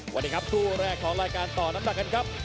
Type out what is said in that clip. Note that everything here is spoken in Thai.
สวัสดีครับคู่แรกของรายการต่อน้ำหนักกันครับ